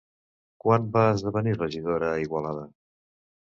Quan va esdevenir regidora a Igualada?